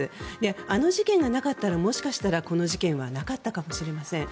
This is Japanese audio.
あの事件がなかったらもしかしたらこの事件はなかったかもしれません。